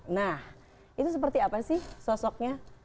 nah itu seperti apa sih sosoknya